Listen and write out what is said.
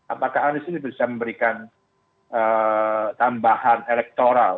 apakah anies ini bisa memberikan tambahan elektoral